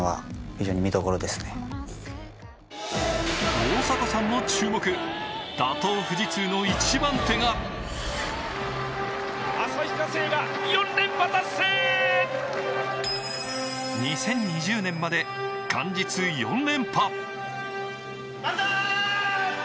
大迫さんの注目、打倒・富士通の一番手が２０２０年まで元日４連覇。